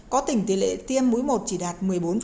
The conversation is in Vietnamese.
có tỉnh tỷ lệ tiêm mũi một chỉ đạt một mươi bốn